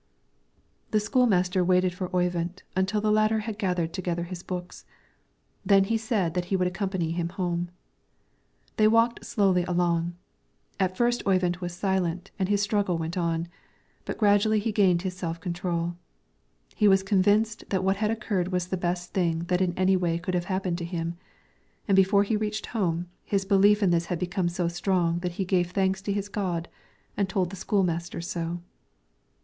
The school master waited for Oyvind until the latter had gathered together his books, then said that he would accompany him home. They walked slowly along. At first Oyvind was silent and his struggle went on, but gradually he gained his self control. He was convinced that what had occurred was the best thing that in any way could have happened to him; and before he reached home, his belief in this had become so strong that he gave thanks to his God, and told the school master so.